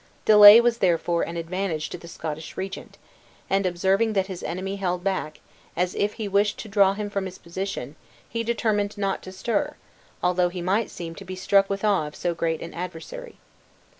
Delay was therefore an advantage to the Scottish regent; and observing that his enemy held back, as if he wished to draw him from his position, he determined not to stir, although he might seem to be struck with awe of so great an adversary.